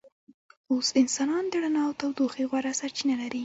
اوس انسانان د رڼا او تودوخې غوره سرچینه لري.